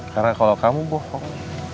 karena kalau kamu bohong